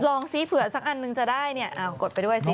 ลองซิเผื่อสักอันนึงจะได้เนี่ยกดไปด้วยสิ